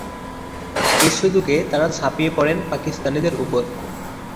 এ সুযোগে তারা ঝাঁপিয়ে পড়েন পাকিস্তানিদের ওপর।